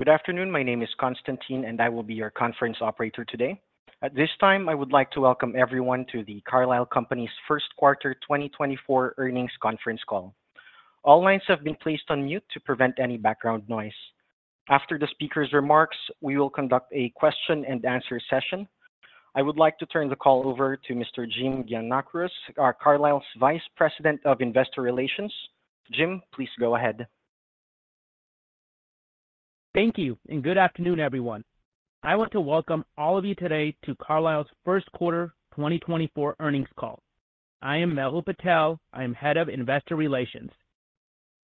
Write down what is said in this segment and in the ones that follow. Good afternoon, my name is Constantine and I will be your conference operator today. At this time I would like to welcome everyone to the Carlisle Companies First Quarter 2024 Earnings Conference Call. All lines have been placed on mute to prevent any background noise. After the speaker's remarks, we will conduct a Question-and-Answer session. I would like to turn the call over to Mr. Jim Giannakouros, Carlisle's Vice President of Investor Relations. Jim, please go ahead. Thank you and good afternoon everyone. I want to welcome all of you today to Carlisle's First Quarter 2024 Earnings Call. I am Mehul Patel, I am Head of Investor Relations.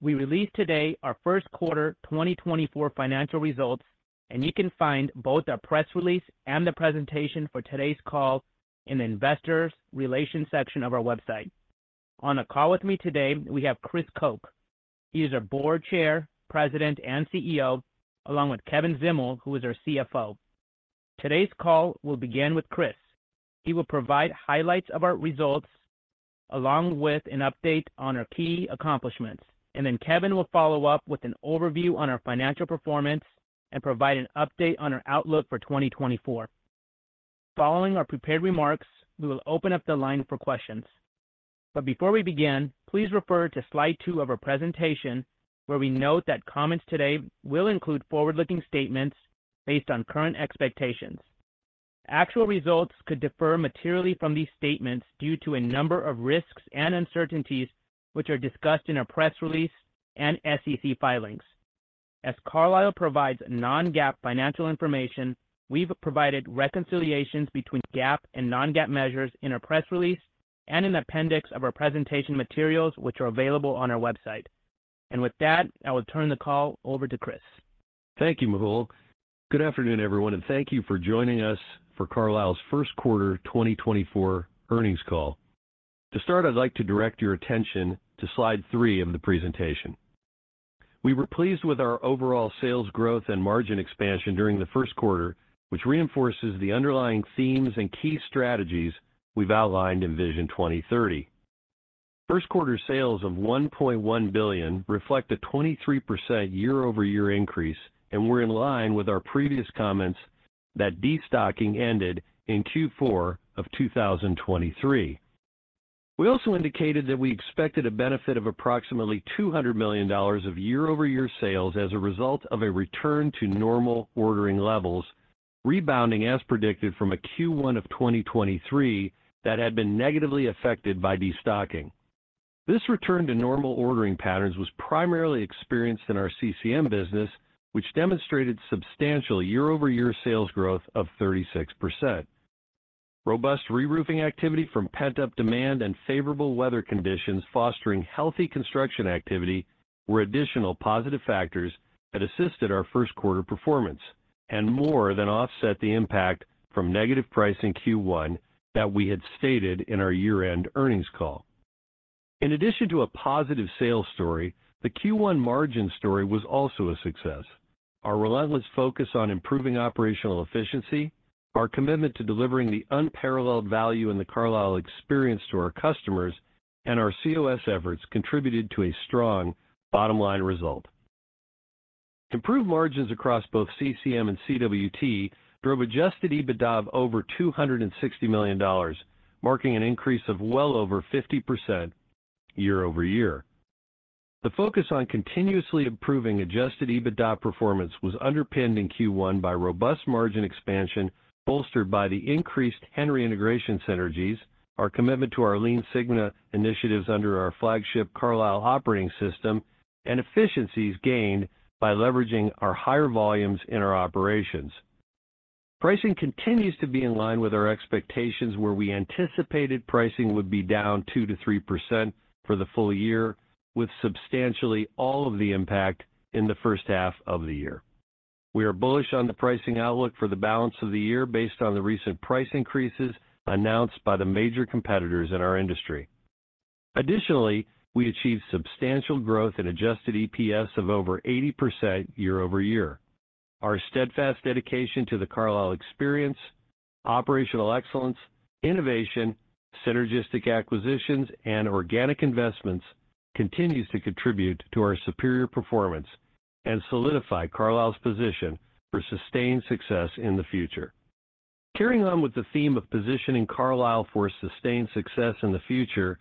We released today our First Quarter 2024 financial results and you can find both our press release and the presentation for today's call in the Investor Relations section of our website. On the call with me today we have Chris Koch. He is our Board Chair, President, and CEO, along with Kevin Zdimal, who is our CFO. Today's call will begin with Chris. He will provide highlights of our results along with an update on our key accomplishments, and then Kevin will follow up with an overview on our financial performance and provide an update on our outlook for 2024. Following our prepared remarks, we will open up the line for questions. Before we begin, please refer to Slide 2 of our presentation where we note that comments today will include Forward-Looking Statements based on current expectations. Actual results could differ materially from these statements due to a number of risks and uncertainties which are discussed in our press release and SEC filings. As Carlisle provides non-GAAP financial information, we've provided reconciliations between GAAP and non-GAAP measures in our press release and in the appendix of our presentation materials which are available on our website. With that, I will turn the call over to Chris. Thank you, Mehul. Good afternoon everyone and thank you for joining us for Carlisle's First Quarter 2024 Earnings Call. To start, I'd like to direct your attention to Slide 3 of the presentation. We were pleased with our overall sales growth and margin expansion during the first quarter, which reinforces the underlying themes and key strategies we've outlined in Vision 2030. First quarter sales of $1.1 billion reflect a 23% year-over-year increase, and we're in line with our previous comments that destocking ended in Q4 of 2023. We also indicated that we expected a benefit of approximately $200 million of year-over-year sales as a result of a return to normal ordering levels, rebounding as predicted from a Q1 of 2023 that had been negatively affected by destocking. This return to normal ordering patterns was primarily experienced in our CCM business, which demonstrated substantial year-over-year sales growth of 36%. Robust reroofing activity from pent-up demand and favorable weather conditions fostering healthy construction activity were additional positive factors that assisted our first quarter performance and more than offset the impact from negative pricing Q1 that we had stated in our year-end earnings call. In addition to a positive sales story, the Q1 margin story was also a success. Our relentless focus on improving operational efficiency, our commitment to delivering the unparalleled value in the Carlisle Experience to our customers, and our COS efforts contributed to a strong bottom-line result. Improved margins across both CCM and CWT drove Adjusted EBITDA of over $260 million, marking an increase of well over 50% year-over-year. The focus on continuously improving Adjusted EBITDA performance was underpinned in Q1 by robust margin expansion bolstered by the increased Henry Integration synergies, our commitment to our Lean Sigma initiatives under our flagship Carlisle Operating System, and efficiencies gained by leveraging our higher volumes in our operations. Pricing continues to be in line with our expectations where we anticipated pricing would be down 2%-3% for the full year, with substantially all of the impact in the first half of the year. We are bullish on the pricing outlook for the balance of the year based on the recent price increases announced by the major competitors in our industry. Additionally, we achieved substantial growth in Adjusted EPS of over 80% year-over-year. Our steadfast dedication to the Carlisle experience, operational excellence, innovation, synergistic acquisitions, and organic investments continues to contribute to our superior performance and solidify Carlisle's position for sustained success in the future. Carrying on with the theme of positioning Carlisle for sustained success in the future,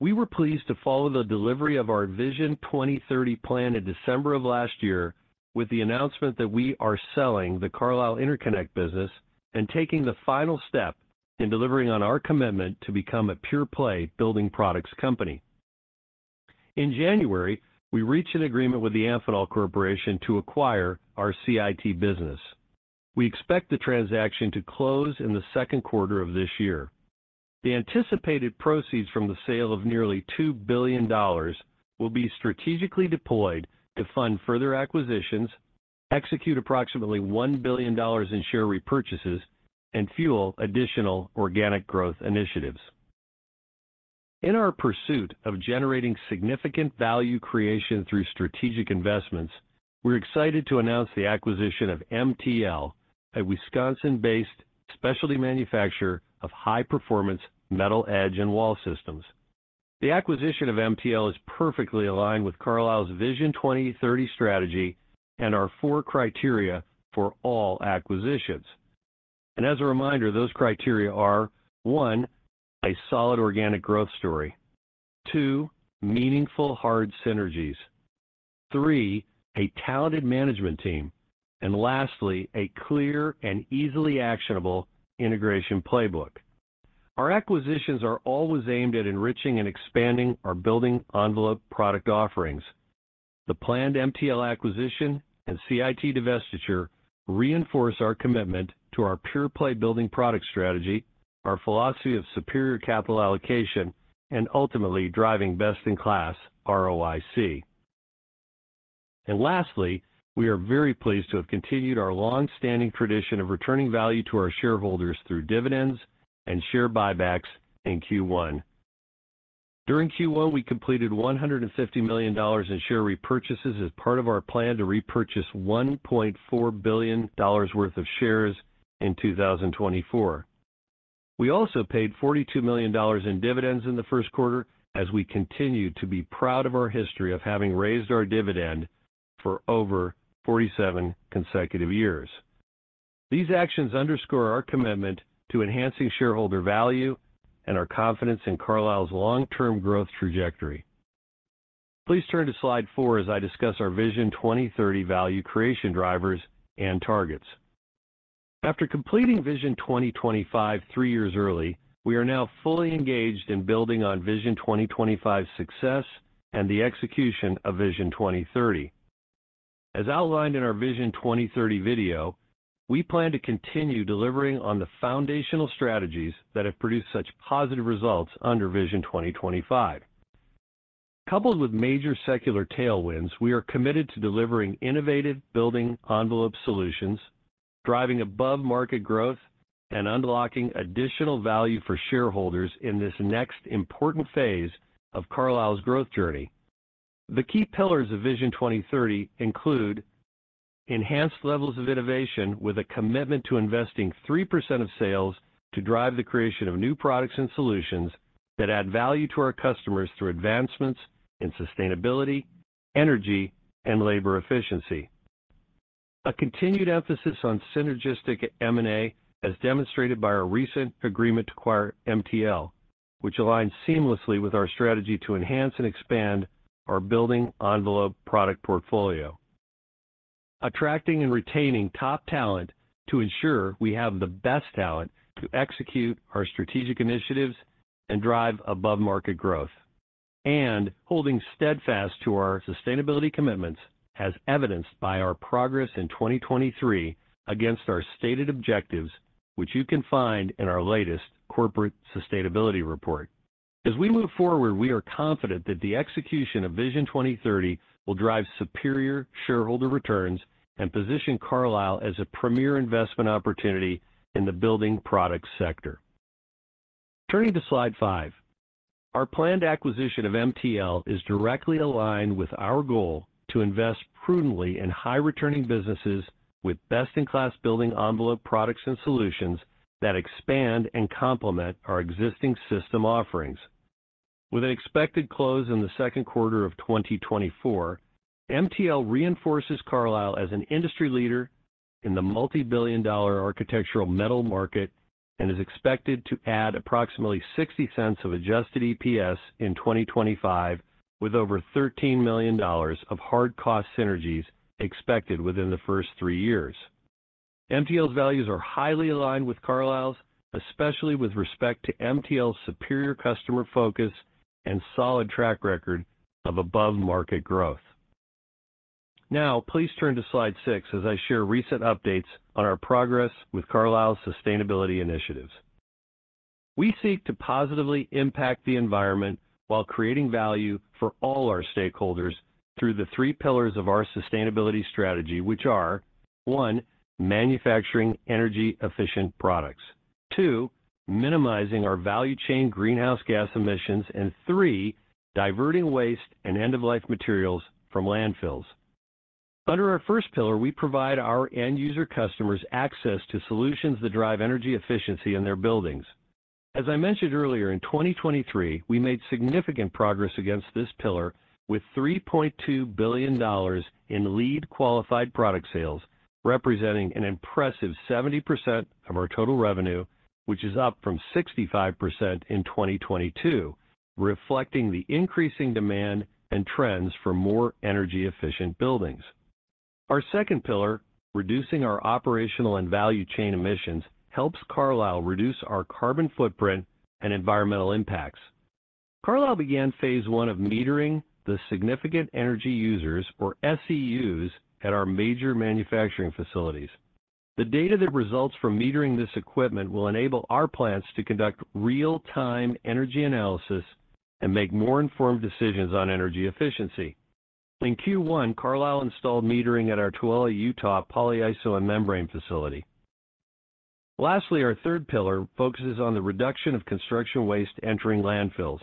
we were pleased to follow the delivery of our Vision 2030 plan in December of last year with the announcement that we are selling the Carlisle Interconnect business and taking the final step in delivering on our commitment to become a pure-play building products company. In January, we reached an agreement with the Amphenol Corporation to acquire our CIT business. We expect the transaction to close in the second quarter of this year. The anticipated proceeds from the sale of nearly $2 billion will be strategically deployed to fund further acquisitions, execute approximately $1 billion in share repurchases, and fuel additional organic growth initiatives. In our pursuit of generating significant value creation through strategic investments, we're excited to announce the acquisition of MTL, a Wisconsin-based specialty manufacturer of high-performance metal edge and wall systems. The acquisition of MTL is perfectly aligned with Carlisle's Vision 2030 strategy and our four criteria for all acquisitions. As a reminder, those criteria are: one, a solid organic growth story; two, meaningful hard synergies; three, a talented management team; and lastly, a clear and easily actionable integration playbook. Our acquisitions are always aimed at enriching and expanding our building envelope product offerings. The planned MTL acquisition and CIT divestiture reinforce our commitment to our pure-play building product strategy, our philosophy of superior capital allocation, and ultimately driving best-in-class ROIC. Lastly, we are very pleased to have continued our longstanding tradition of returning value to our shareholders through dividends and share buybacks in Q1. During Q1, we completed $150 million in share repurchases as part of our plan to repurchase $1.4 billion worth of shares in 2024. We also paid $42 million in dividends in the first quarter as we continue to be proud of our history of having raised our dividend for over 47 consecutive years. These actions underscore our commitment to enhancing shareholder value and our confidence in Carlisle's long-term growth trajectory. Please turn to Slide 4 as I discuss our Vision 2030 value creation drivers and targets. After completing Vision 2025 three years early, we are now fully engaged in building on Vision 2025's success and the execution of Vision 2030. As outlined in our Vision 2030 video, we plan to continue delivering on the foundational strategies that have produced such positive results under Vision 2025. Coupled with major secular tailwinds, we are committed to delivering innovative building envelope solutions, driving above-market growth, and unlocking additional value for shareholders in this next important phase of Carlisle's growth journey. The key pillars of Vision 2030 include: enhanced levels of innovation with a commitment to investing 3% of sales to drive the creation of new products and solutions that add value to our customers through advancements in sustainability, energy, and labor efficiency. A continued emphasis on synergistic M&A as demonstrated by our recent agreement to acquire MTL, which aligns seamlessly with our strategy to enhance and expand our building envelope product portfolio. Attracting and retaining top talent to ensure we have the best talent to execute our strategic initiatives and drive above-market growth. And holding steadfast to our sustainability commitments as evidenced by our progress in 2023 against our stated objectives, which you can find in our latest Corporate Sustainability Report. As we move forward, we are confident that the execution of Vision 2030 will drive superior shareholder returns and position Carlisle as a premier investment opportunity in the building products sector. Turning to Slide 5. Our planned acquisition of MTL is directly aligned with our goal to invest prudently in high-returning businesses with best-in-class building envelope products and solutions that expand and complement our existing system offerings. With an expected close in the second quarter of 2024, MTL reinforces Carlisle as an industry leader in the multi-billion dollar architectural metal market and is expected to add approximately $0.60 of adjusted EPS in 2025 with over $13 million of hard cost synergies expected within the first three years. MTL's values are highly aligned with Carlisle's, especially with respect to MTL's superior customer focus and solid track record of above-market growth. Now, please turn to Slide 6 as I share recent updates on our progress with Carlisle's sustainability initiatives. We seek to positively impact the environment while creating value for all our stakeholders through the three pillars of our sustainability strategy, which are: one, manufacturing energy-efficient products; two, minimizing our value chain greenhouse gas emissions; and three, diverting waste and end-of-life materials from landfills. Under our first pillar, we provide our end-user customers access to solutions that drive energy efficiency in their buildings. As I mentioned earlier, in 2023, we made significant progress against this pillar with $3.2 billion in LEED qualified product sales, representing an impressive 70% of our total revenue, which is up from 65% in 2022, reflecting the increasing demand and trends for more energy-efficient buildings. Our second pillar, reducing our operational and value chain emissions, helps Carlisle reduce our carbon footprint and environmental impacts. Carlisle began phase 1 of metering the significant energy users, or SEUs, at our major manufacturing facilities. The data that results from metering this equipment will enable our plants to conduct real-time energy analysis and make more informed decisions on energy efficiency. In Q1, Carlisle installed metering at our Tooele, Utah, Polyiso and membrane facility. Lastly, our third pillar focuses on the reduction of construction waste entering landfills.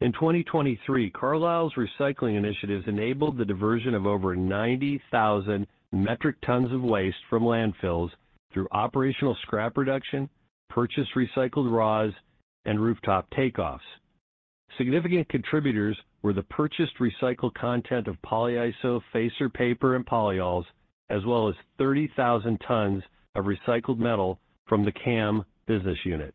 In 2023, Carlisle's recycling initiatives enabled the diversion of over 90,000 metric tons of waste from landfills through operational scrap reduction, purchased recycled raws, and rooftop takeoffs. Significant contributors were the purchased recycled content of polyiso, facer paper, and polyols, as well as 30,000 tons of recycled metal from the CAM business unit.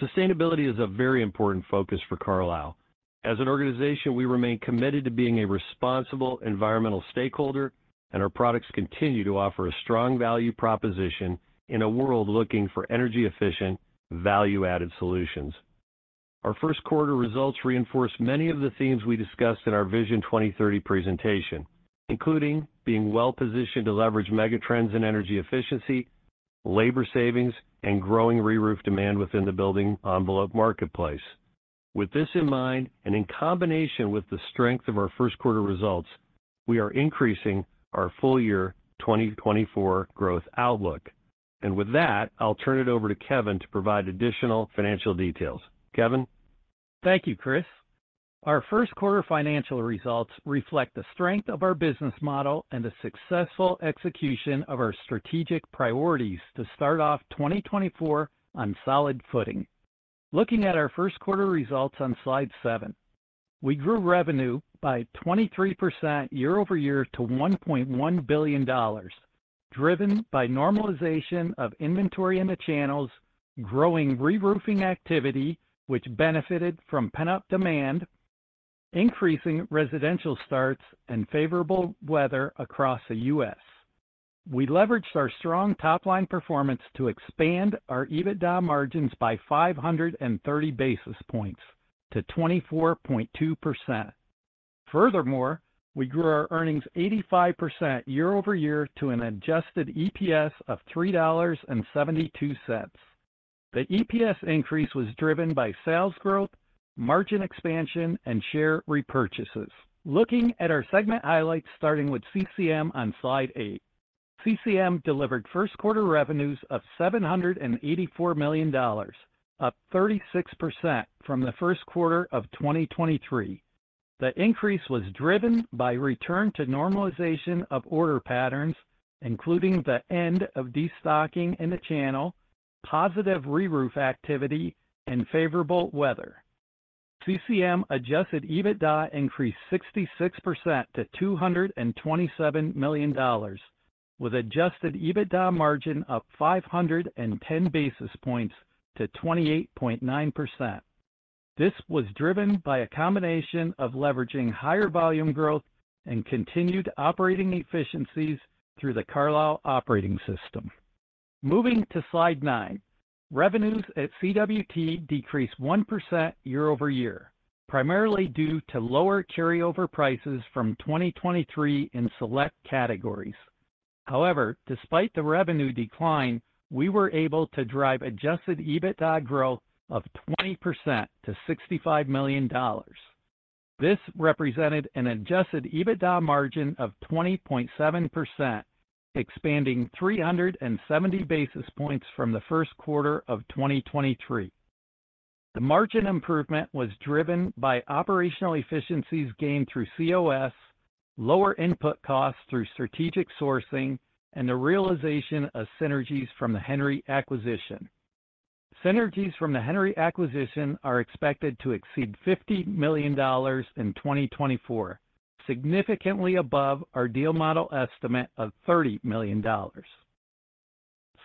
Sustainability is a very important focus for Carlisle. As an organization, we remain committed to being a responsible environmental stakeholder, and our products continue to offer a strong value proposition in a world looking for energy-efficient, value-added solutions. Our first quarter results reinforce many of the themes we discussed in our Vision 2030 presentation, including being well-positioned to leverage megatrends in energy efficiency, labor savings, and growing reroofing demand within the building envelope marketplace. With this in mind, and in combination with the strength of our first quarter results, we are increasing our full-year 2024 growth outlook. And with that, I'll turn it over to Kevin to provide additional financial details. Kevin? Thank you, Chris. Our first quarter financial results reflect the strength of our business model and the successful execution of our strategic priorities to start off 2024 on solid footing. Looking at our first quarter results on slide 7. We grew revenue by 23% year-over-year to $1.1 billion, driven by normalization of inventory in the channels, growing reroofing activity, which benefited from pent-up demand, increasing residential starts, and favorable weather across the U.S. We leveraged our strong top-line performance to expand our EBITDA margins by 530 basis points to 24.2%. Furthermore, we grew our earnings 85% year-over-year to an adjusted EPS of $3.72. The EPS increase was driven by sales growth, margin expansion, and share repurchases. Looking at our segment highlights starting with CCM on Slide 8. CCM delivered first quarter revenues of $784 million, up 36% from the first quarter of 2023. The increase was driven by return to normalization of order patterns, including the end of destocking in the channel, positive reroof activity, and favorable weather. CCM Adjusted EBITDA increased 66% to $227 million, with Adjusted EBITDA margin up 510 basis points to 28.9%. This was driven by a combination of leveraging higher volume growth and continued operating efficiencies through the Carlisle Operating System. Moving to Slide 9. Revenues at CWT decreased 1% year-over-year, primarily due to lower carryover prices from 2023 in select categories. However, despite the revenue decline, we were able to drive Adjusted EBITDA growth of 20% to $65 million. This represented an Adjusted EBITDA margin of 20.7%, expanding 370 basis points from the first quarter of 2023. The margin improvement was driven by operational efficiencies gained through COS, lower input costs through strategic sourcing, and the realization of synergies from the Henry acquisition. Synergies from the Henry acquisition are expected to exceed $50 million in 2024, significantly above our deal model estimate of $30 million.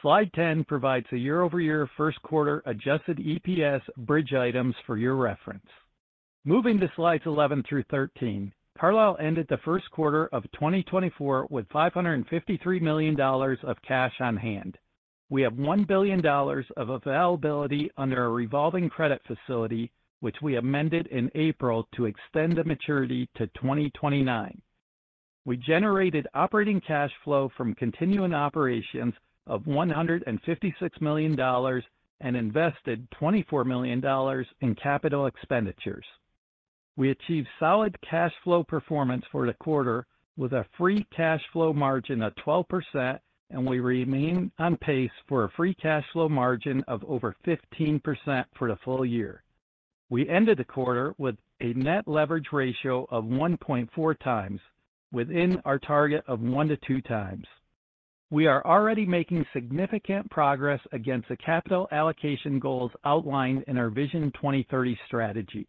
Slide 10 provides a year-over-year first quarter adjusted EPS bridge items for your reference. Moving to Slides 11 through 13. Carlisle ended the first quarter of 2024 with $553 million of cash on hand. We have $1 billion of availability under a revolving credit facility, which we amended in April to extend the maturity to 2029. We generated operating cash flow from continuing operations of $156 million and invested $24 million in capital expenditures. We achieved solid cash flow performance for the quarter with a free cash flow margin of 12%, and we remain on pace for a free cash flow margin of over 15% for the full year. We ended the quarter with a net leverage ratio of 1.4 times, within our target of 1-2 times. We are already making significant progress against the capital allocation goals outlined in our Vision 2030 strategy.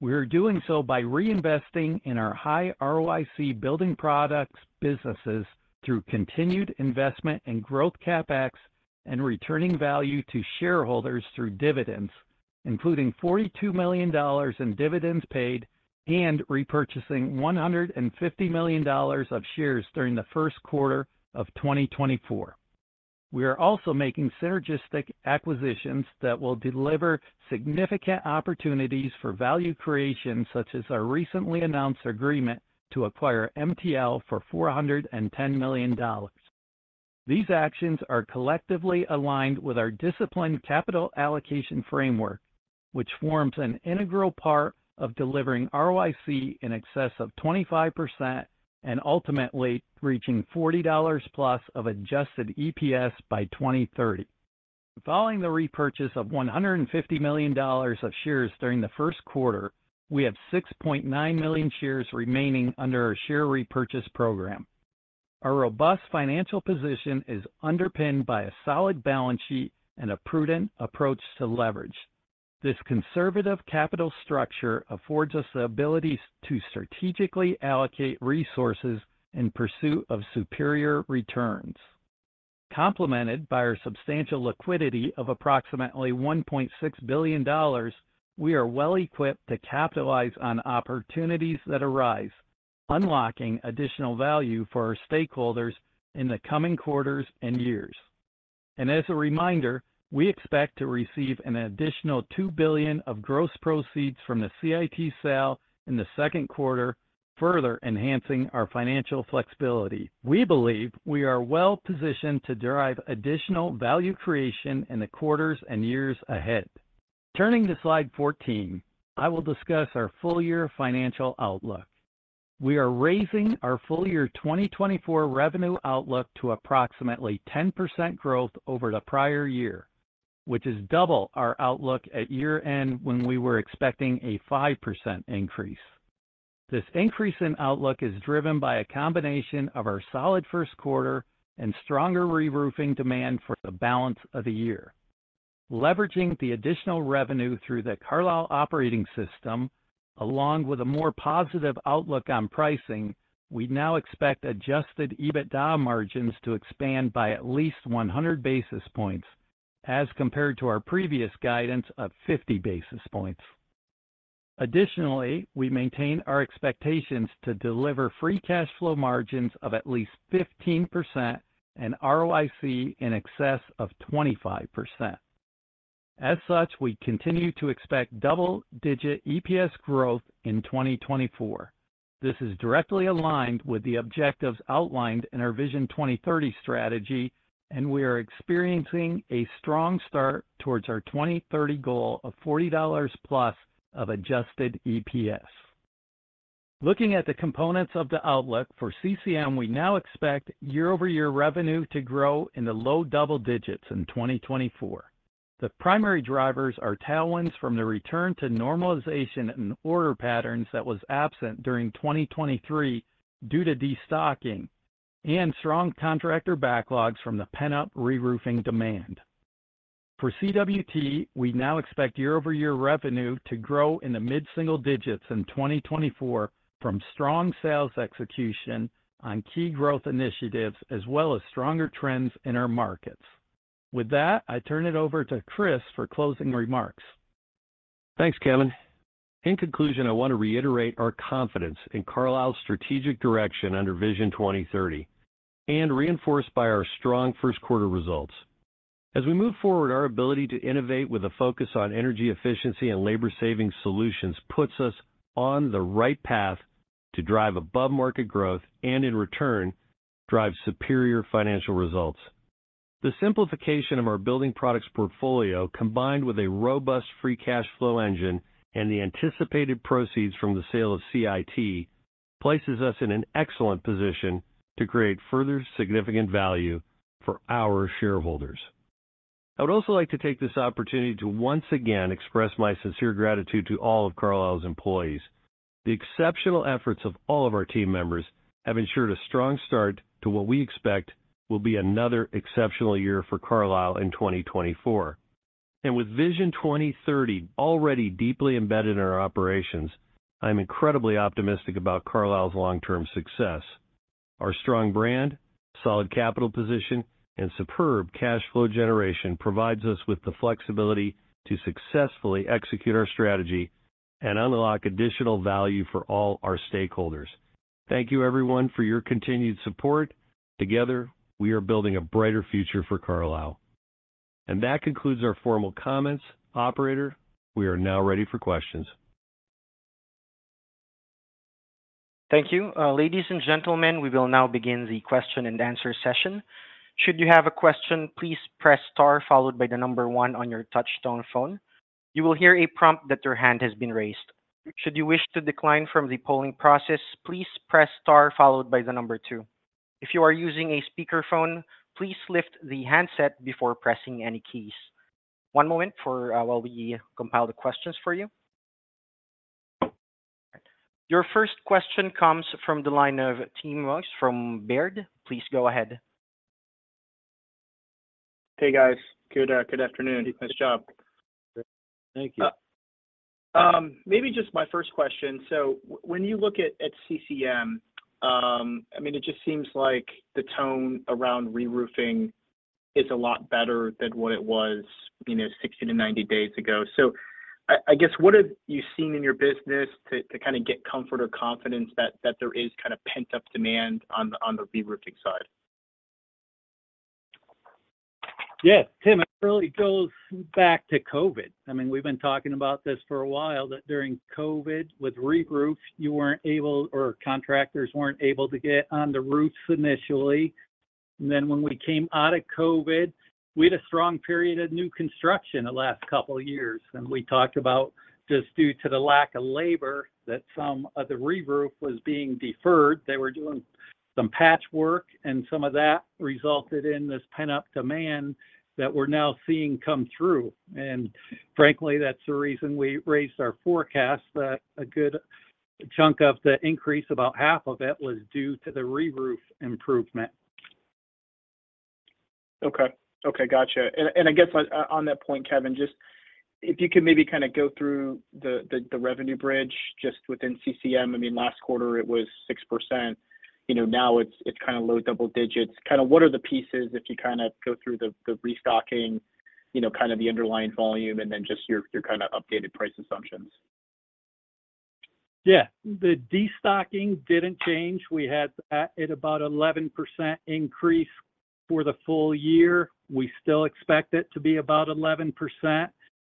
We are doing so by reinvesting in our high ROIC building products businesses through continued investment and growth CapEx, and returning value to shareholders through dividends, including $42 million in dividends paid and repurchasing $150 million of shares during the first quarter of 2024. We are also making synergistic acquisitions that will deliver significant opportunities for value creation, such as our recently announced agreement to acquire MTL for $410 million. These actions are collectively aligned with our disciplined capital allocation framework, which forms an integral part of delivering ROIC in excess of 25% and ultimately reaching $40+ of adjusted EPS by 2030. Following the repurchase of $150 million of shares during the first quarter, we have 6.9 million shares remaining under our share repurchase program. Our robust financial position is underpinned by a solid balance sheet and a prudent approach to leverage. This conservative capital structure affords us the ability to strategically allocate resources in pursuit of superior returns. Complemented by our substantial liquidity of approximately $1.6 billion, we are well-equipped to capitalize on opportunities that arise, unlocking additional value for our stakeholders in the coming quarters and years. And as a reminder, we expect to receive an additional $2 billion of gross proceeds from the CIT sale in the second quarter, further enhancing our financial flexibility. We believe we are well-positioned to drive additional value creation in the quarters and years ahead. Turning to Slide 14. I will discuss our full-year financial outlook. We are raising our full-year 2024 revenue outlook to approximately 10% growth over the prior year, which is double our outlook at year-end when we were expecting a 5% increase. This increase in outlook is driven by a combination of our solid first quarter and stronger reroofing demand for the balance of the year. Leveraging the additional revenue through the Carlisle Operating System, along with a more positive outlook on pricing, we now expect Adjusted EBITDA margins to expand by at least 100 basis points as compared to our previous guidance of 50 basis points. Additionally, we maintain our expectations to deliver free cash flow margins of at least 15% and ROIC in excess of 25%. As such, we continue to expect double-digit EPS growth in 2024. This is directly aligned with the objectives outlined in our Vision 2030 strategy, and we are experiencing a strong start towards our 2030 goal of $40+ of adjusted EPS. Looking at the components of the outlook for CCM, we now expect year-over-year revenue to grow in the low double digits in 2024. The primary drivers are tailwinds from the return to normalization in order patterns that was absent during 2023 due to destocking and strong contractor backlogs from the pent-up reroofing demand. For CWT, we now expect year-over-year revenue to grow in the mid-single digits in 2024 from strong sales execution on key growth initiatives as well as stronger trends in our markets. With that, I turn it over to Chris for closing remarks. Thanks, Kevin. In conclusion, I want to reiterate our confidence in Carlisle's strategic direction under Vision 2030, and reinforced by our strong first quarter results. As we move forward, our ability to innovate with a focus on energy efficiency and labor-saving solutions puts us on the right path to drive above-market growth and, in return, drive superior financial results. The simplification of our building products portfolio, combined with a robust free cash flow engine and the anticipated proceeds from the sale of CIT, places us in an excellent position to create further significant value for our shareholders. I would also like to take this opportunity to once again express my sincere gratitude to all of Carlisle's employees. The exceptional efforts of all of our team members have ensured a strong start to what we expect will be another exceptional year for Carlisle in 2024. With Vision 2030 already deeply embedded in our operations, I am incredibly optimistic about Carlisle's long-term success. Our strong brand, solid capital position, and superb cash flow generation provides us with the flexibility to successfully execute our strategy and unlock additional value for all our stakeholders. Thank you, everyone, for your continued support. Together, we are building a brighter future for Carlisle. That concludes our formal comments. Operator, we are now ready for questions. Thank you. Ladies and gentlemen, we will now begin the question-and-answer session. Should you have a question, please press star followed by 1 on your touch-tone phone. You will hear a prompt that your hand has been raised. Should you wish to decline from the polling process, please press star followed by 2. If you are using a speakerphone, please lift the handset before pressing any keys. One moment while we compile the questions for you. Your first question comes from the line of Tim from Baird. Please go ahead. Hey, guys. Good afternoon. Nice job. Thank you. Maybe just my first question. When you look at CCM, I mean, it just seems like the tone around reroofing is a lot better than what it was 60-90 days ago. I guess what have you seen in your business to kind of get comfort or confidence that there is kind of pent-up demand on the reroofing side? Yeah, Tim, it really goes back to COVID. I mean, we've been talking about this for a while, that during COVID, with reroof, you weren't able or contractors weren't able to get on the roofs initially. Then when we came out of COVID, we had a strong period of new construction the last couple of years, and we talked about just due to the lack of labor that some of the reroof was being deferred. They were doing some patchwork, and some of that resulted in this pent-up demand that we're now seeing come through. Frankly, that's the reason we raised our forecast, that a good chunk of the increase, about half of it, was due to the reroof improvement. Okay. Okay. Gotcha. And I guess on that point, Kevin, just if you could maybe kind of go through the revenue bridge just within CCM, I mean, last quarter it was 6%. Now it's kind of low double digits. Kind of what are the pieces if you kind of go through the restocking, kind of the underlying volume, and then just your kind of updated price assumptions? Yeah. The destocking didn't change. We had at about 11% increase for the full year. We still expect it to be about 11%.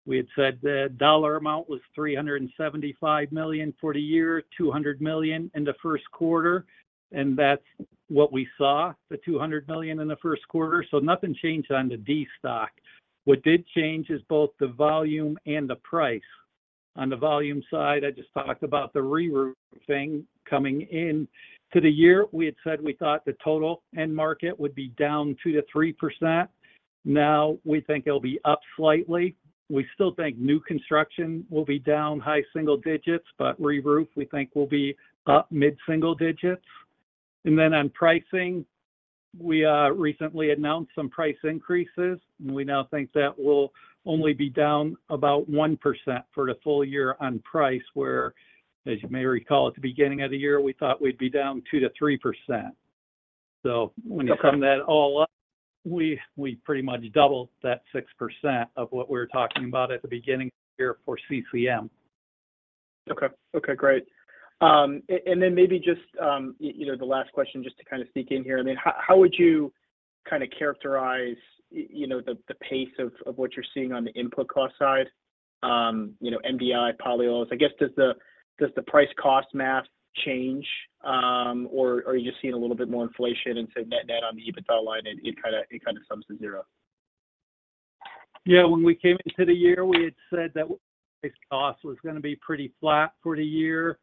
We had said the dollar amount was $375 million for the year, $200 million in the first quarter, and that's what we saw, the $200 million in the first quarter. So nothing changed on the destock. What did change is both the volume and the price. On the volume side, I just talked about the reroofing coming into the year. We had said we thought the total end market would be down 2%-3%. Now we think it'll be up slightly. We still think new construction will be down high single digits, but reroof, we think, will be up mid-single digits. And then on pricing, we recently announced some price increases, and we now think that will only be down about 1% for the full year on price, where, as you may recall at the beginning of the year, we thought we'd be down 2%-3%. So when you sum that all up, we pretty much doubled that 6% of what we were talking about at the beginning of the year for CCM. Okay. Okay. Great. And then maybe just the last question, just to kind of sneak in here. I mean, how would you kind of characterize the pace of what you're seeing on the input cost side, MDI, polyols? I guess does the price-cost math change, or are you just seeing a little bit more inflation and, say, net-net on the EBITDA line it kind of sums to zero? Yeah. When we came into the year, we had said that price-cost was going to be pretty flat for the year.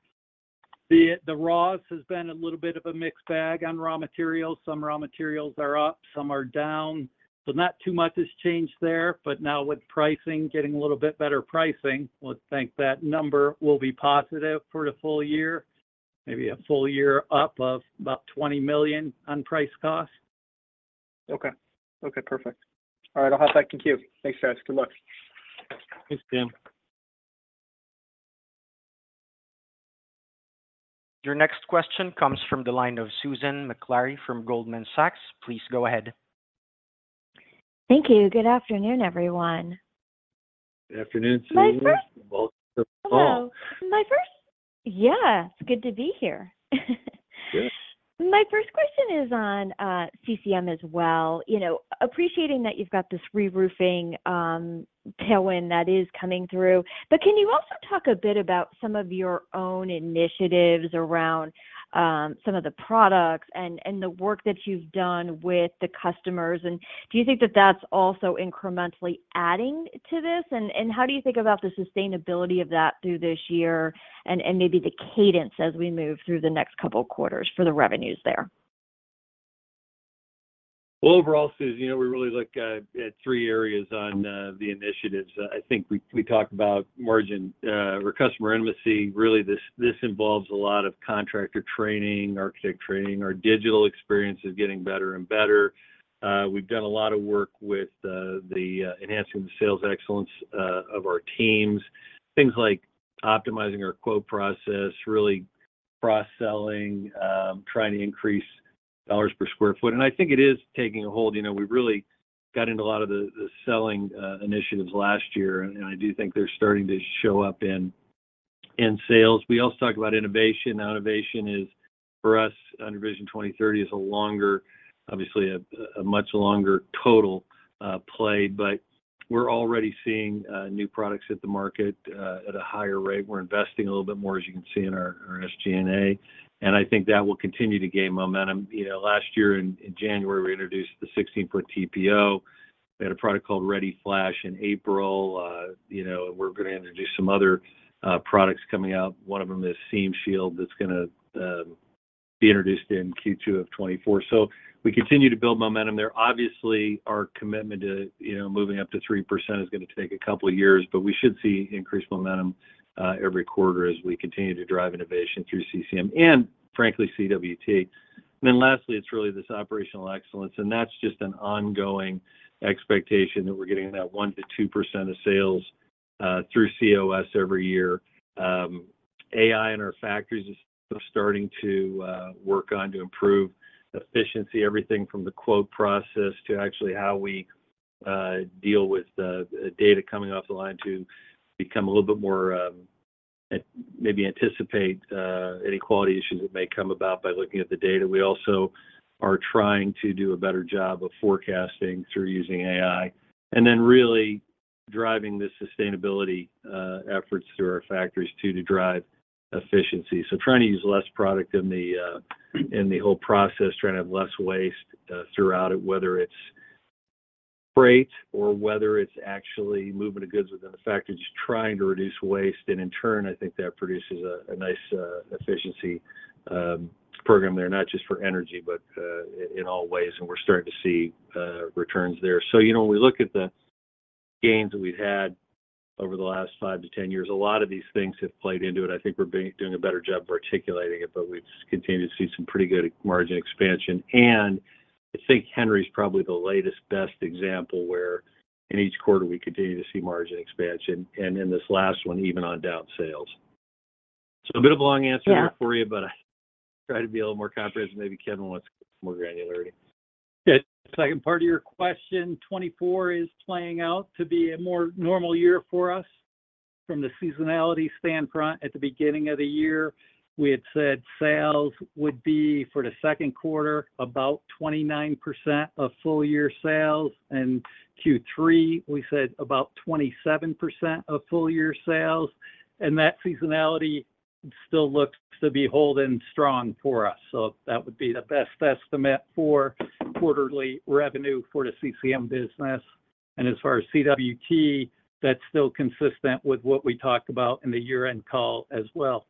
The ROS has been a little bit of a mixed bag on raw materials. Some raw materials are up, some are down. So not too much has changed there. But now with pricing, getting a little bit better pricing, we think that number will be positive for the full year, maybe a full year up of about $20 million on price-cost. Okay. Okay. Perfect. All right. I'll have that. Thank you. Thanks, guys. Good luck. Thanks, Tim. Your next question comes from the line of Susan Maklari from Goldman Sachs. Please go ahead. Thank you. Good afternoon, everyone. Good afternoon, Susan. My first. Welcome to the call. Hello. My first. Yeah. It's good to be here. Good. My first question is on CCM as well, appreciating that you've got this reroofing tailwind that is coming through. But can you also talk a bit about some of your own initiatives around some of the products and the work that you've done with the customers? And do you think that that's also incrementally adding to this? And how do you think about the sustainability of that through this year and maybe the cadence as we move through the next couple of quarters for the revenues there? Well, overall, Susan, we really look at three areas on the initiatives. I think we talked about margin or customer intimacy. Really, this involves a lot of contractor training, architect training. Our digital experience is getting better and better. We've done a lot of work with enhancing the sales excellence of our teams, things like optimizing our quote process, really cross-selling, trying to increase dollars per square foot. And I think it is taking a hold. We really got into a lot of the selling initiatives last year, and I do think they're starting to show up in sales. We also talk about innovation. Innovation is, for us under Vision 2030, is obviously a much longer total play. But we're already seeing new products hit the market at a higher rate. We're investing a little bit more, as you can see, in our SG&A. I think that will continue to gain momentum. Last year in January, we introduced the 16-foot TPO. We had a product called ReadyFlash in April, and we're going to introduce some other products coming out. One of them is SeamShield that's going to be introduced in Q2 of 2024. So we continue to build momentum there. Obviously, our commitment to moving up to 3% is going to take a couple of years, but we should see increased momentum every quarter as we continue to drive innovation through CCM and, frankly, CWT. And then lastly, it's really this operational excellence, and that's just an ongoing expectation that we're getting that 1%-2% of sales through COS every year. AI in our factories is starting to work on to improve efficiency, everything from the quote process to actually how we deal with data coming off the line to become a little bit more maybe anticipate any quality issues that may come about by looking at the data. We also are trying to do a better job of forecasting through using AI and then really driving the sustainability efforts through our factories, too, to drive efficiency. Trying to use less product in the whole process, trying to have less waste throughout it, whether it's freight or whether it's actually moving the goods within the factory, just trying to reduce waste. In turn, I think that produces a nice efficiency program there, not just for energy but in all ways. We're starting to see returns there. So when we look at the gains that we've had over the last 5-10 years, a lot of these things have played into it. I think we're doing a better job of articulating it, but we've continued to see some pretty good margin expansion. I think Henry's probably the latest, best example where in each quarter, we continue to see margin expansion. And in this last one, even on down sales. So a bit of a long answer there for you, but I try to be a little more comprehensive. Maybe Kevin wants more granularity. Yeah. Second part of your question, 2024 is playing out to be a more normal year for us from the seasonality standpoint. At the beginning of the year, we had said sales would be for the second quarter about 29% of full-year sales. In Q3, we said about 27% of full-year sales. That seasonality still looks to be holding strong for us. So that would be the best estimate for quarterly revenue for the CCM business. As far as CWT, that's still consistent with what we talked about in the year-end call as well.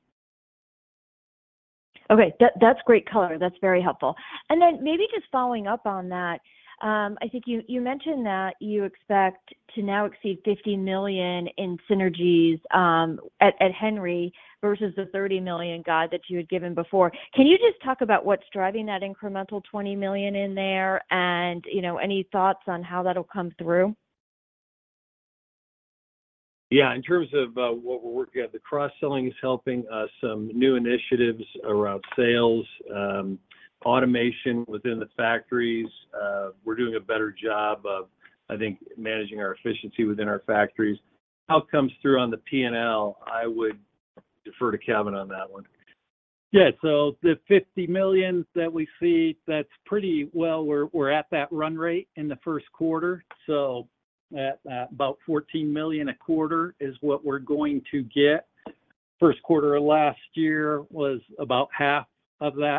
Okay. That's great color. That's very helpful. And then maybe just following up on that, I think you mentioned that you expect to now exceed $50 million in synergies at Henry versus the $30 million guide that you had given before. Can you just talk about what's driving that incremental $20 million in there and any thoughts on how that'll come through? Yeah. In terms of what we're working on, the cross-selling is helping us, some new initiatives around sales, automation within the factories. We're doing a better job of, I think, managing our efficiency within our factories. How it comes through on the P&L, I would defer to Kevin on that one. Yeah. So the $50 million that we see, that's pretty well, we're at that run rate in the first quarter. So about $14 million a quarter is what we're going to get. First quarter of last year was about $7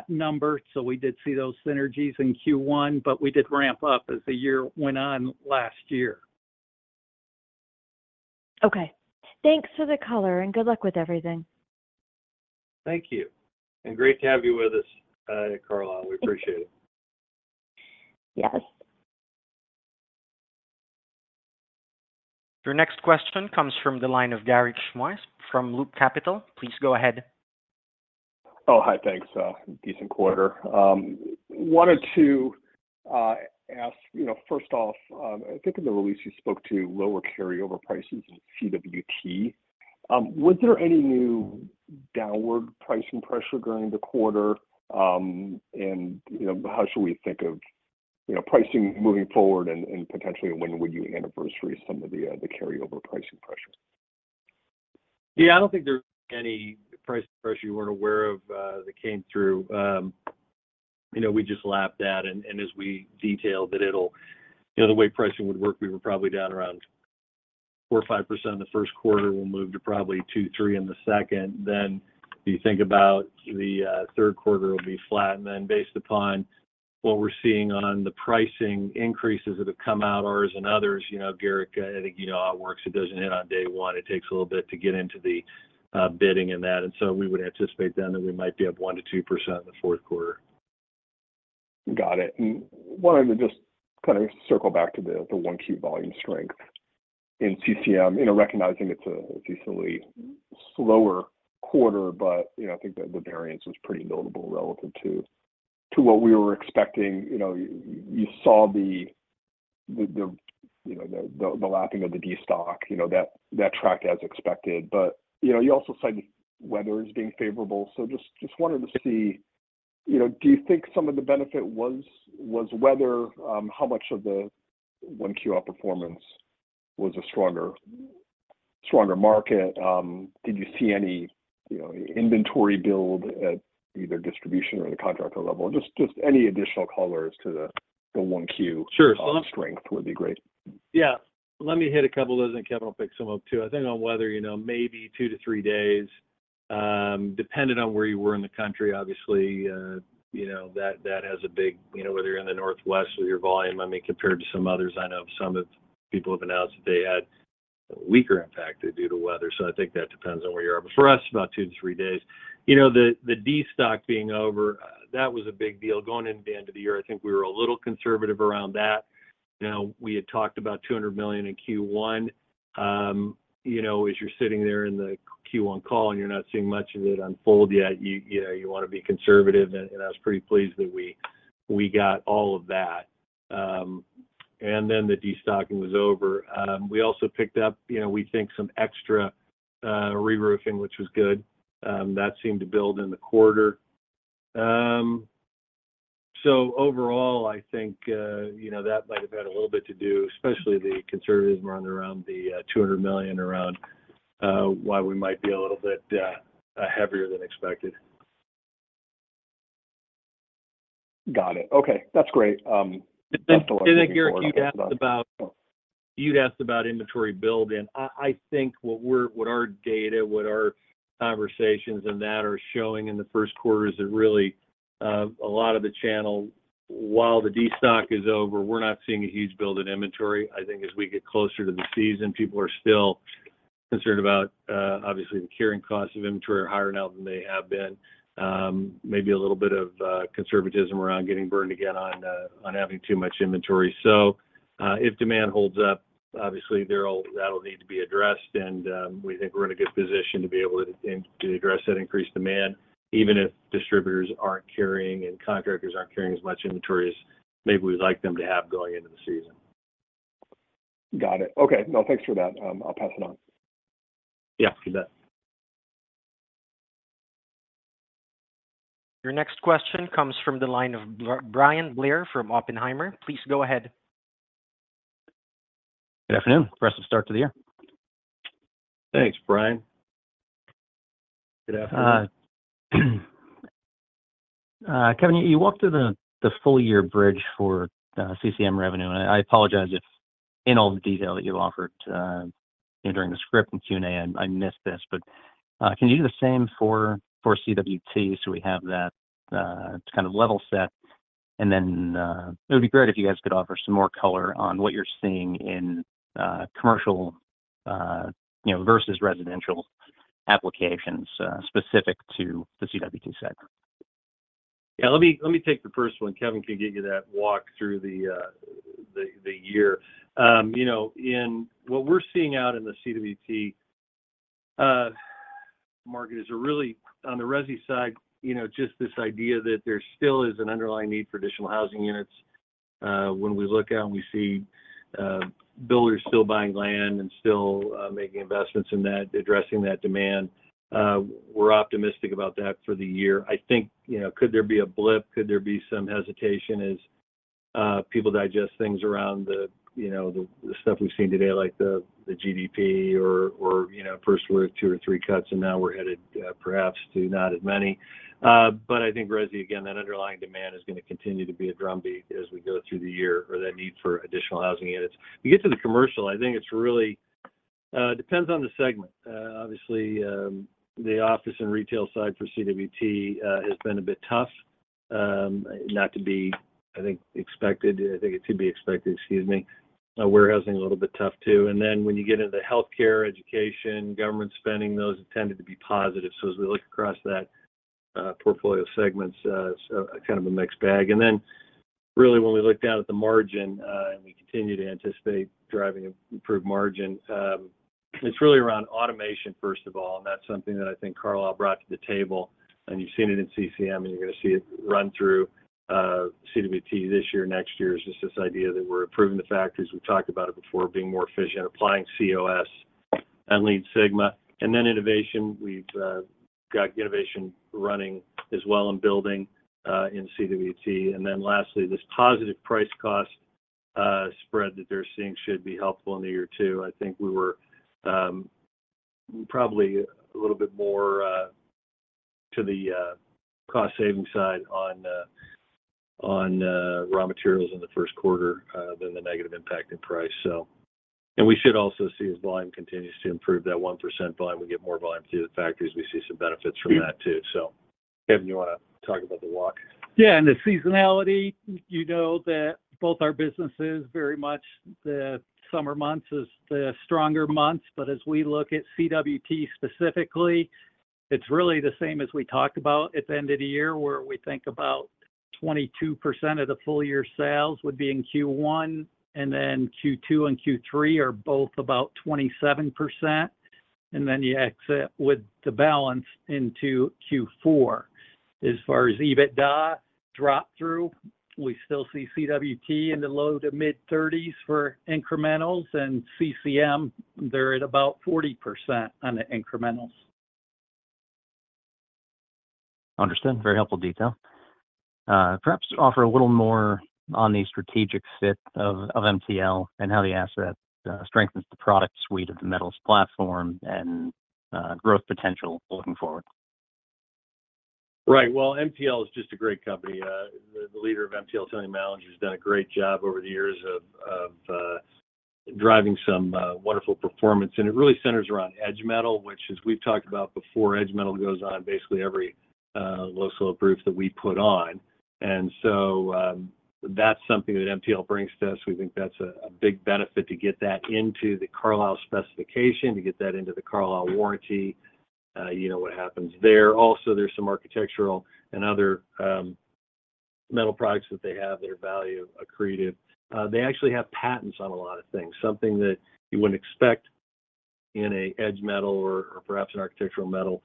million. So we did see those synergies in Q1, but we did ramp up as the year went on last year. Okay. Thanks for the color, and good luck with everything. Thank you. Great to have you with us, Carlisle. We appreciate it. Yes. Your next question comes from the line of Garik Shmois from Loop Capital. Please go ahead. Oh, hi. Thanks. Decent quarter. Wanted to ask, first off, I think in the release you spoke to lower carryover prices in CWT. Was there any new downward pricing pressure during the quarter? And how should we think of pricing moving forward and potentially when would you anniversary some of the carryover pricing pressure? Yeah. I don't think there's any pricing pressure you weren't aware of that came through. We just lapped that. As we detailed that, the way pricing would work, we were probably down around 4% or 5% in the first quarter. We'll move to probably 2, 3 in the second. Then you think about the third quarter, it'll be flat. Based upon what we're seeing on the pricing increases that have come out, ours and others, Garik, I think you know how it works. It doesn't hit on day one. It takes a little bit to get into the bidding and that. We would anticipate then that we might be up 1%-2% in the fourth quarter. Got it. And wanted to just kind of circle back to the 1Q volume strength in CCM, recognizing it's a decently slower quarter, but I think that the variance was pretty notable relative to what we were expecting. You saw the lapping of the destock. That tracked as expected. But you also cited weather as being favorable. So just wanted to see, do you think some of the benefit was weather? How much of the 1Q upward performance was a stronger market? Did you see any inventory build at either distribution or the contractor level? Just any additional colors to the 1Q strength would be great. Yeah. Let me hit a couple of those, and Kevin will pick some up, too. I think on weather, maybe two to three days. Depending on where you were in the country, obviously, that has a big impact whether you're in the northwest with your volume, I mean, compared to some others. I know some people have announced that they had a weaker impact due to weather. So I think that depends on where you are. But for us, about two to three days. The destocking being over, that was a big deal. Going into the end of the year, I think we were a little conservative around that. We had talked about $200 million in Q1. As you're sitting there in the Q1 call and you're not seeing much of it unfold yet, you want to be conservative. I was pretty pleased that we got all of that. Then the destocking was over. We also picked up, we think, some extra reroofing, which was good. That seemed to build in the quarter. So overall, I think that might have had a little bit to do, especially the conservatism around the $200 million, around why we might be a little bit heavier than expected. Got it. Okay. That's great. Awesome work. And then Garik, you'd asked about inventory buildup. I think what our data, what our conversations and that are showing in the first quarter is that really a lot of the channel, while the destock is over, we're not seeing a huge build in inventory. I think as we get closer to the season, people are still concerned about, obviously, the carrying costs of inventory are higher now than they have been. Maybe a little bit of conservatism around getting burned again on having too much inventory. So if demand holds up, obviously, that'll need to be addressed. And we think we're in a good position to be able to address that increased demand, even if distributors aren't carrying and contractors aren't carrying as much inventory as maybe we'd like them to have going into the season. Got it. Okay. No, thanks for that. I'll pass it on. Yeah. Goodbye. Your next question comes from the line of Bryan Blair from Oppenheimer. Please go ahead. Good afternoon. Impressive start to the year. Thanks, Brian. Good afternoon. Kevin, you walked through the full-year bridge for CCM revenue. I apologize if in all the detail that you offered during the script and Q&A, I missed this. Can you do the same for CWT so we have that to kind of level set? Then it would be great if you guys could offer some more color on what you're seeing in commercial versus residential applications specific to the CWT side. Yeah. Let me take the first one. Kevin can give you that walk through the year. In what we're seeing out in the CWT market is really, on the RESI side, just this idea that there still is an underlying need for additional housing units. When we look out and we see builders still buying land and still making investments in that, addressing that demand, we're optimistic about that for the year. I think could there be a blip? Could there be some hesitation as people digest things around the stuff we've seen today, like the GDP, or first we're at 2 or 3 cuts, and now we're headed perhaps to not as many? But I think RESI, again, that underlying demand is going to continue to be a drumbeat as we go through the year, or that need for additional housing units. You get to the commercial. I think it really depends on the segment. Obviously, the office and retail side for CWT has been a bit tough, not to be, I think, expected. I think it should be expected, excuse me. Warehousing, a little bit tough, too. And then when you get into healthcare, education, government spending, those tended to be positive. So as we look across that portfolio segments, kind of a mixed bag. And then really, when we looked down at the margin, and we continue to anticipate driving an improved margin, it's really around automation, first of all. And that's something that I think Carlisle brought to the table. And you've seen it in CCM, and you're going to see it run through CWT this year. Next year is just this idea that we're improving the factories. We've talked about it before, being more efficient and applying COS and Lean Sigma. And then innovation. We've got innovation running as well and building in CWT. And then lastly, this positive price cost spread that they're seeing should be helpful in the year too. I think we were probably a little bit more to the cost-saving side on raw materials in the first quarter than the negative impact in price, so. And we should also see, as volume continues to improve, that 1% volume, we get more volume through the factories. We see some benefits from that too. So Kevin, you want to talk about the walk? Yeah. And the seasonality. You know that both our businesses, very much the summer months are the stronger months. But as we look at CWT specifically, it's really the same as we talked about at the end of the year, where we think about 22% of the full-year sales would be in Q1. And then Q2 and Q3 are both about 27%. And then you exit with the balance into Q4. As far as EBITDA, drop-through, we still see CWT in the low- to mid-30s% for incrementals. And CCM, they're at about 40% on the incrementals. Understood. Very helpful detail. Perhaps offer a little more on the strategic fit of MTL and how the asset strengthens the product suite of the Metals platform and growth potential looking forward. Right. Well, MTL is just a great company. The leader of MTL, Tony Mallinger, has done a great job over the years of driving some wonderful performance. And it really centers around edge metal, which, as we've talked about before, edge metal goes on basically every low-slope roof that we put on. And so that's something that MTL brings to us. We think that's a big benefit to get that into the Carlisle specification, to get that into the Carlisle warranty, what happens there. Also, there's some architectural and other metal products that they have that are value accretive. They actually have patents on a lot of things, something that you wouldn't expect in an edge metal or perhaps an architectural metal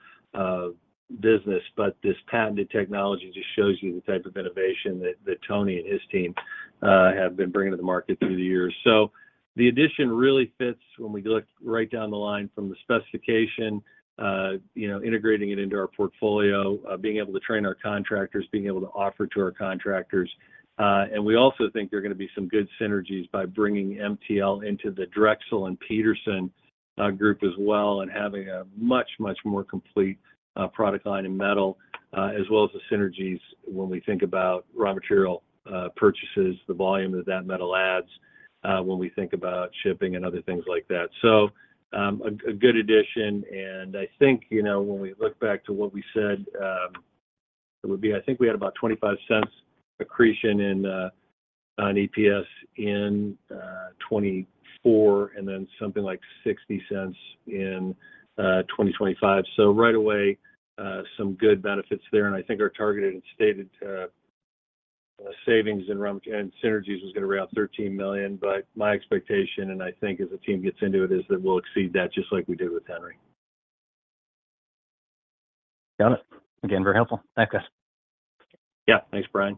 business. But this patented technology just shows you the type of innovation that Tony and his team have been bringing to the market through the years. So the addition really fits when we look right down the line from the specification, integrating it into our portfolio, being able to train our contractors, being able to offer to our contractors. And we also think there are going to be some good synergies by bringing MTL into the Drexel and Peterson group as well and having a much, much more complete product line in metal, as well as the synergies when we think about raw material purchases, the volume that that metal adds when we think about shipping and other things like that. So a good addition. And I think when we look back to what we said, it would be I think we had about $0.25 accretion in EPS in 2024 and then something like $0.60 in 2025. So right away, some good benefits there. I think our targeted and stated savings and synergies was going to reach out $13 million. My expectation, and I think as the team gets into it, is that we'll exceed that just like we did with Henry. Got it. Again, very helpful. Thanks, guys. Yeah. Thanks, Bryan.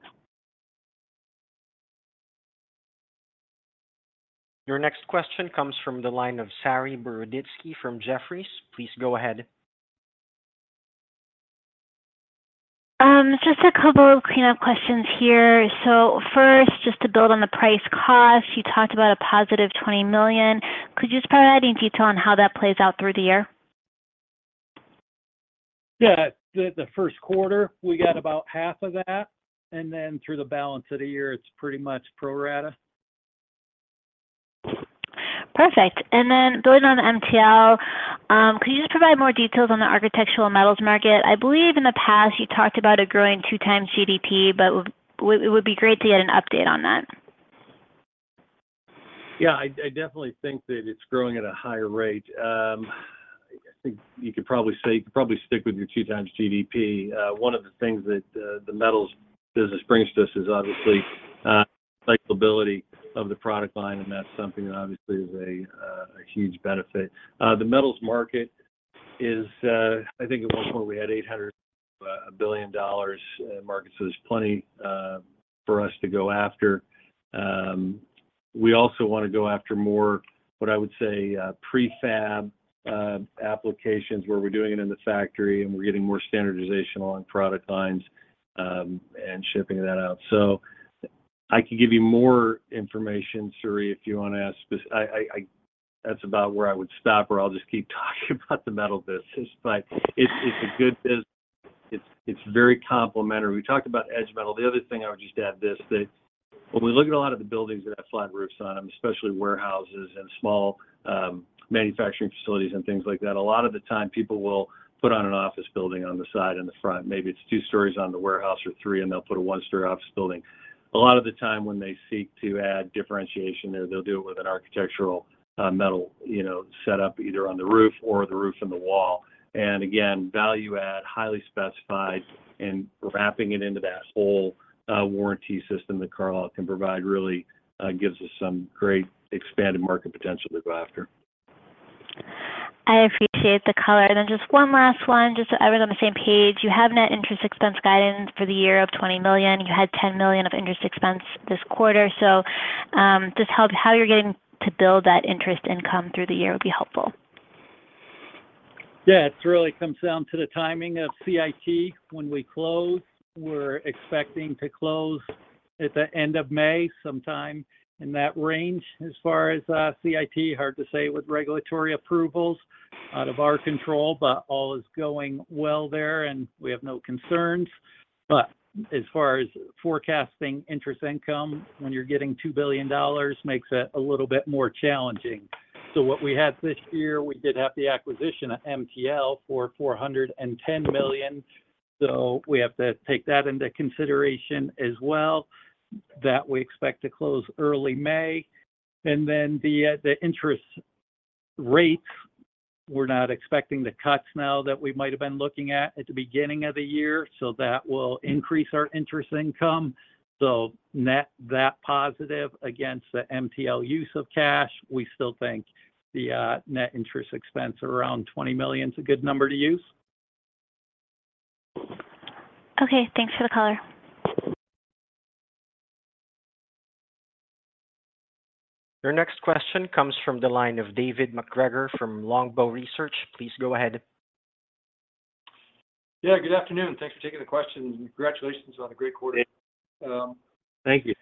Your next question comes from the line of Saree Boroditsky from Jefferies. Please go ahead. Just a couple of cleanup questions here. So first, just to build on the price cost, you talked about a positive $20 million. Could you just provide any detail on how that plays out through the year? Yeah. The first quarter, we got about half of that. And then through the balance of the year, it's pretty much pro rata. Perfect. And then going on MTL, could you just provide more details on the architectural metals market? I believe in the past, you talked about a growing two-time GDP, but it would be great to get an update on that. Yeah. I definitely think that it's growing at a higher rate. I think you could probably say you could probably stick with your 2x GDP. One of the things that the metals business brings to us is obviously cyclicality of the product line. And that's something that obviously is a huge benefit. The metals market is, I think, at one point, we had $800 billion market. So there's plenty for us to go after. We also want to go after more, what I would say, prefab applications where we're doing it in the factory and we're getting more standardization along product lines and shipping that out. So I can give you more information, Suri, if you want to ask. That's about where I would stop, or I'll just keep talking about the metal business. But it's a good business. It's very complementary. We talked about Edge Metal. The other thing, I would just add this, that when we look at a lot of the buildings that have flat roofs on them, especially warehouses and small manufacturing facilities and things like that, a lot of the time, people will put on an office building on the side and the front. Maybe it's two stories on the warehouse or three, and they'll put a one-story office building. A lot of the time, when they seek to add differentiation there, they'll do it with an architectural metal setup either on the roof or the roof and the wall. And again, value add, highly specified, and wrapping it into that whole warranty system that Carlisle can provide really gives us some great expanded market potential to go after. I appreciate the color. Then just one last one, just so everyone's on the same page. You have net interest expense guidance for the year of $20 million. You had $10 million of interest expense this quarter. So just how you're getting to build that interest income through the year would be helpful. Yeah. It really comes down to the timing of CIT. When we close, we're expecting to close at the end of May, sometime in that range. As far as CIT, hard to say with regulatory approvals out of our control, but all is going well there, and we have no concerns. But as far as forecasting interest income, when you're getting $2 billion, makes it a little bit more challenging. So what we had this year, we did have the acquisition at MTL for $410 million. So we have to take that into consideration as well, that we expect to close early May. And then the interest rates, we're not expecting the cuts now that we might have been looking at at the beginning of the year. So that will increase our interest income. So net that positive against the MTL use of cash, we still think the net interest expense around $20 million is a good number to use. Okay. Thanks for the color. Your next question comes from the line of David MacGregor from Longbow Research. Please go ahead. Yeah. Good afternoon. Thanks for taking the question. Congratulations on a great quarter. Thank you.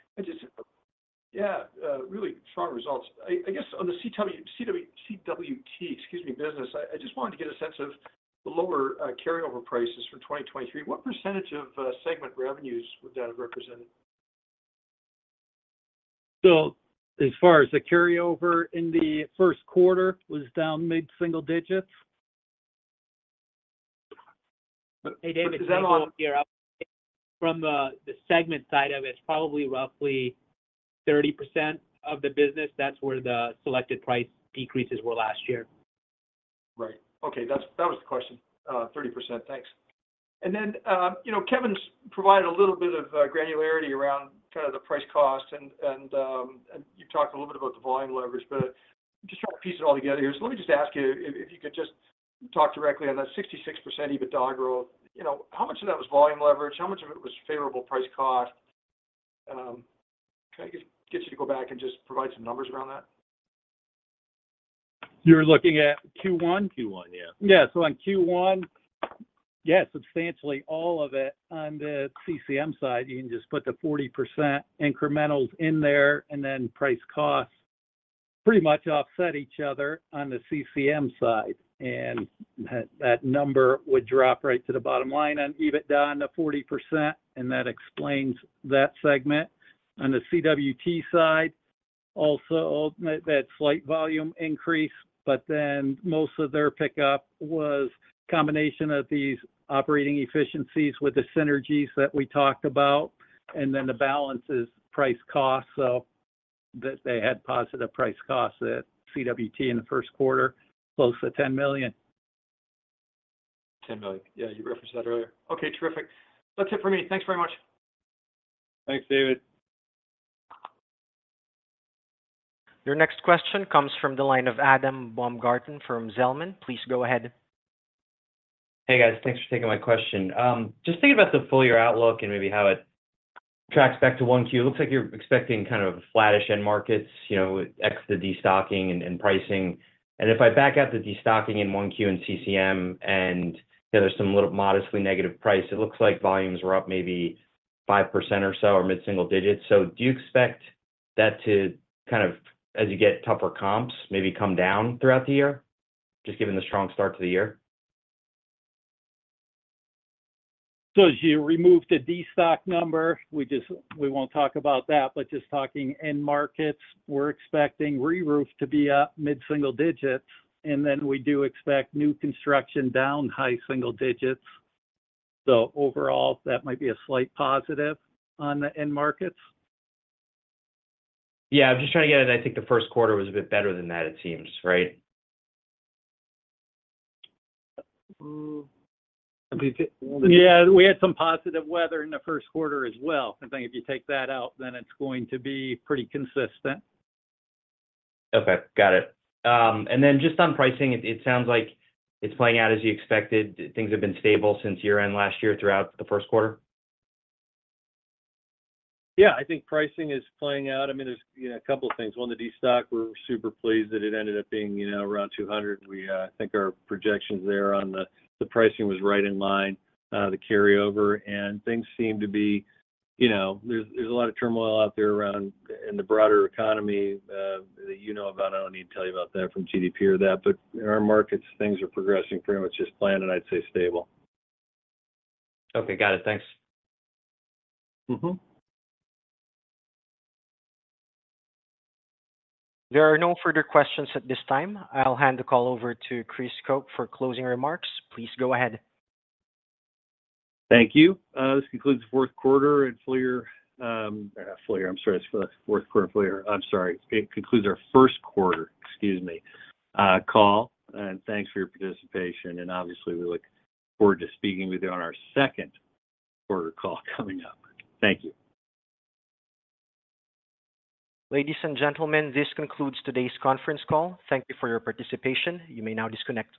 Yeah. Really strong results. I guess on the CWT, excuse me, business, I just wanted to get a sense of the lower carryover prices for 2023. What percentage of segment revenues would that have represented? As far as the carryover in the first quarter, it was down mid-single digits. Hey, David. Is that all? From the segment side of it, it's probably roughly 30% of the business. That's where the selected price decreases were last year. Right. Okay. That was the question. 30%. Thanks. And then Kevin's provided a little bit of granularity around kind of the price cost. And you've talked a little bit about the volume leverage, but just trying to piece it all together here. So let me just ask you if you could just talk directly on that 66% EBITDA growth. How much of that was volume leverage? How much of it was favorable price cost? Can I get you to go back and just provide some numbers around that? You're looking at Q1? Q1, yeah. Yeah. So on Q1, yeah, substantially all of it on the CCM side, you can just put the 40% incrementals in there. And then price costs pretty much offset each other on the CCM side. And that number would drop right to the bottom line on EBITDA on the 40%, and that explains that segment. On the CWT side, also that slight volume increase. But then most of their pickup was a combination of these operating efficiencies with the synergies that we talked about. And then the balance is price cost, so that they had positive price costs at CWT in the first quarter, close to $10 million. $10 million. Yeah. You referenced that earlier. Okay. Terrific. That's it for me. Thanks very much. Thanks, David. Your next question comes from the line of Adam Baumgarten from Zelman. Please go ahead. Hey, guys. Thanks for taking my question. Just thinking about the full-year outlook and maybe how it tracks back to 1Q, it looks like you're expecting kind of flat-ish end markets, ex the destocking and pricing. And if I back out the destocking in 1Q and CCM, and there's some little modestly negative price, it looks like volumes were up maybe 5% or so or mid-single digits. So do you expect that to kind of, as you get tougher comps, maybe come down throughout the year, just given the strong start to the year? So as you remove the destock number, we won't talk about that, but just talking end markets, we're expecting reroof to be up mid-single digits. And then we do expect new construction down high single digits. So overall, that might be a slight positive on the end markets. Yeah. I'm just trying to get it. I think the first quarter was a bit better than that, it seems, right? Yeah. We had some positive weather in the first quarter as well. I think if you take that out, then it's going to be pretty consistent. Okay. Got it. And then just on pricing, it sounds like it's playing out as you expected. Things have been stable since year-end last year throughout the first quarter? Yeah. I think pricing is playing out. I mean, there's a couple of things. One, the destock, we're super pleased that it ended up being around 200. We think our projections there on the pricing was right in line, the carryover. And things seem to be, there's a lot of turmoil out there around in the broader economy that you know about. I don't need to tell you about that from GDP or that. But in our markets, things are progressing pretty much as planned, and I'd say stable. Okay. Got it. Thanks. There are no further questions at this time. I'll hand the call over to Chris Koch for closing remarks. Please go ahead. Thank you. This concludes the fourth quarter and full-year or not full-year. I'm sorry. It's the fourth quarter and full-year. I'm sorry. It concludes our first quarter, excuse me, call. And thanks for your participation. And obviously, we look forward to speaking with you on our second quarter call coming up. Thank you. Ladies and gentlemen, this concludes today's conference call. Thank you for your participation. You may now disconnect.